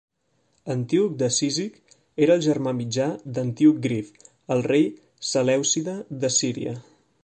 Antíoc de Cízic era el germà mitjà d'Antíoc Grif, el rei selèucida de Síria.